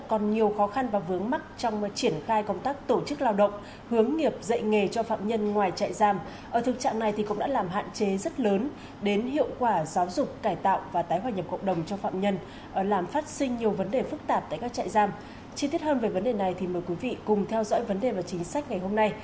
chí tiết hơn về vấn đề này thì mời quý vị cùng theo dõi vấn đề và chính sách ngày hôm nay